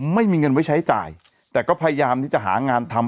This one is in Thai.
ไม่มีเงินไว้ใช้จ่ายแต่ก็พยายามที่จะหางานทำ